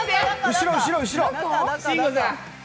後ろ、後ろ、後ろ。